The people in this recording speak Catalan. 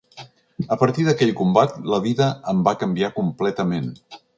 A partir d’aquell combat, la vida em va canviar completament.